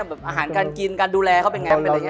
อาหารการกินการดูแลเขาเป็นยังไง